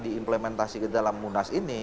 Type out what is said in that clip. diimplementasi ke dalam munas ini